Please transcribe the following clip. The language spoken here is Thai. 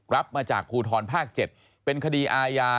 รับมาจากภูทรภาค๗เป็นคดีอาญา